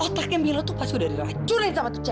otaknya milo tuh pas udah diracunin sama tuh cewek